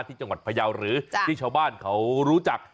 ที่จังหวัดพยาวหรือที่ชาวบ้านเขารู้จัก